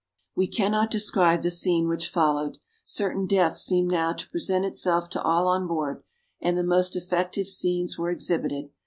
We cannot describe the scene which followed. Certain death seemed now to present itself to all on board, and the most affecting scenes were exhibited.